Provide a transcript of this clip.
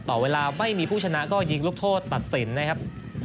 ต่อเวลาไม่มีผู้ชนะก็ยิงลูกโทษตัดสินนะครับ